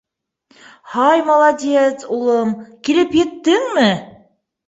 — Һай, молодец, улым, килеп еттеңме?